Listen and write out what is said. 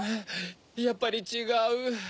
やっぱりちがう。